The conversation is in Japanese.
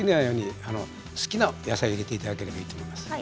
好きな野菜を入れていただければいいと思います。